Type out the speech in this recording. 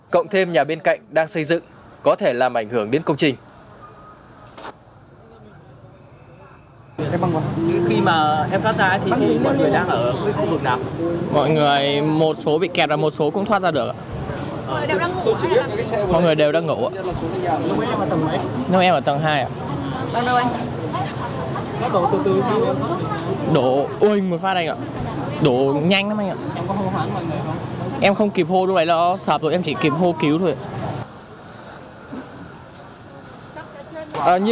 cộng thêm nhà bên cạnh đang xây dựng có thể làm ảnh hưởng đến công trình